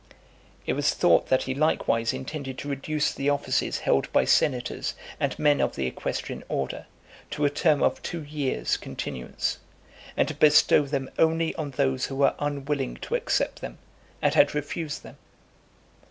XV. It was thought that he likewise intended to reduce the offices held by senators and men of the equestrian order, to a term of two years' continuance; and to bestow them only on those who were unwilling to accept them, and had refused them.